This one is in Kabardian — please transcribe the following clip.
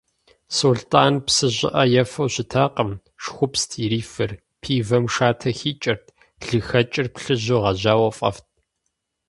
Сулътӏан псы щӏыӏэ ефэу щытакъым, шхупст ирифыр, пивэм шатэ хикӏэрт, лыхэкӏыр плъыжьу гъэжьауэ фӏэфӏт.